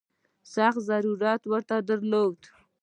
سخت ضرورت ورته درلود.